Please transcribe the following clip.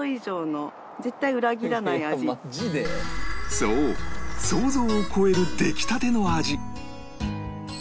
そう想像を超える出来たての味